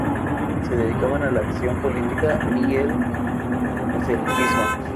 Se dedicaban a la acción política y el proselitismo.